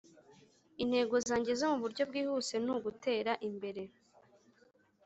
Intego zanjye zo mu buryo bwihuse ntugutera imbere